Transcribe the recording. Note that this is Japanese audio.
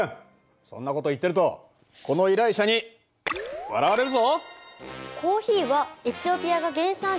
そんなこと言ってるとこの依頼者に笑われるぞ。